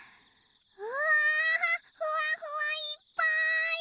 うわふわふわいっぱい！